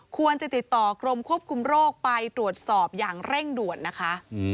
ควรจะติดต่อกรมควบคุมโรคไปตรวจสอบอย่างเร่งด่วนนะคะ